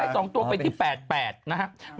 เลขท้าย๒ตัวเป็นที่๘นะครับ